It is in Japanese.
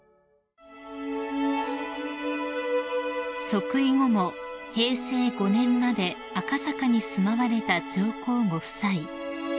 ［即位後も平成５年まで赤坂に住まわれた上皇ご夫妻］